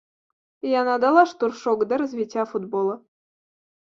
Яна дала штуршок да развіцця футбола.